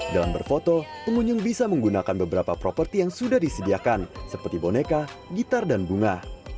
dalam berfoto pengunjung bisa menggunakan beberapa properti yang sudah disediakan seperti boneka gitar dan bunga